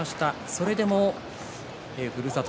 それでも、ふるさと